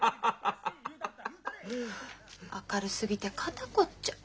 明るすぎて肩凝っちゃう。